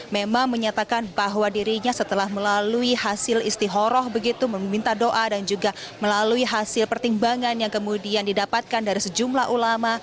memang menyatakan bahwa dirinya setelah melalui hasil istihoroh begitu meminta doa dan juga melalui hasil pertimbangan yang kemudian didapatkan dari sejumlah ulama